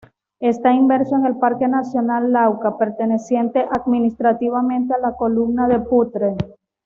Está inmerso en el Parque Nacional Lauca, perteneciente administrativamente a la comuna de Putre.